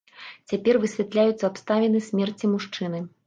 Цяпер высвятляюцца абставіны смерці мужчыны.